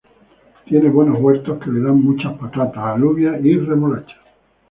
Tiene buenos huertos que le dan muchas patatas, alubias, y remolacha.